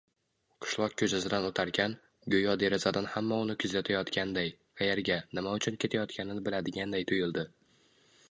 Qishloq koʻchasidan oʻtarkan, goʻyo derazadan hamma uni kuzatayotganday, qayerga, nima uchun ketayotganini biladiganday tuyuldi